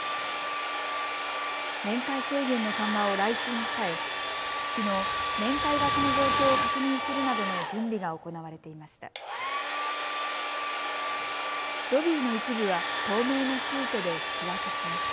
面会制限の緩和を来週に控え、きのう面会場所の状況を確認するなどの準備が行われていました。